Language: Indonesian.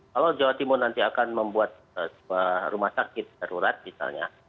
kalau jawa timur nanti akan membuat sebuah rumah sakit darurat misalnya